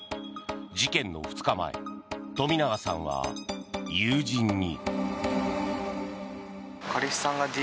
事件の２日前冨永さんは友人に。